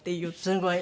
すごい。